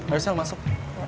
ayo sel masuk